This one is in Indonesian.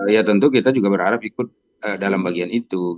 ya tentu kita juga berharap ikut dalam bagian itu